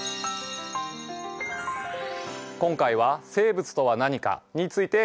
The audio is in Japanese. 今回は「生物とは何か」について考えてきました。